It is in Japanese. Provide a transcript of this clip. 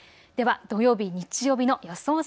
では土曜日、日曜日の予想